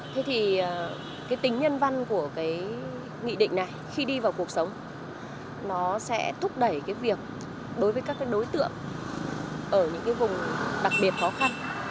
thế thì cái tính nhân văn của cái nghị định này khi đi vào cuộc sống nó sẽ thúc đẩy cái việc đối với các cái đối tượng ở những cái vùng đặc biệt khó khăn